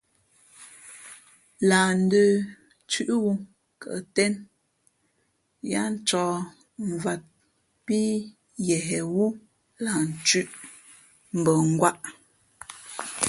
Lah ndə̄ thʉ̄ʼwū kαʼ tén yáá ncāk mvāt pí yěhwú lah nthʉ̄ʼ mbα ngwāʼ.